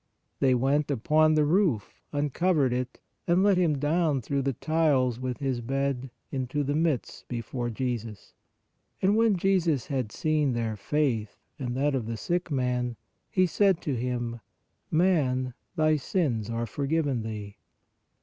They went upon the roof, un covered it, and let him down through the tiles with his bed into the midst before Jesus. And when Jesus had seen their faith (and that of the sick man), He said to him: Man, thy sins are forgiven thee.